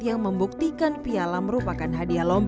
yang membuktikan piala merupakan hadiah lomba